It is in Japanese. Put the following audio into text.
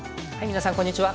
皆さんこんにちは。